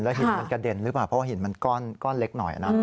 หินมันกระเด็นหรือเปล่าเพราะว่าหินมันก้อนเล็กหน่อยนะ